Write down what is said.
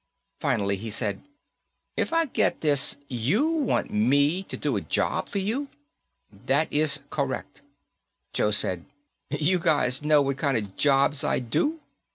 Finally he said, "If I get this, you want me to do a job for you." "That is correct." Joe said, "You guys know the kind of jobs I do?"